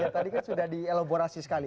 ya tadi kan sudah dielaborasi sekali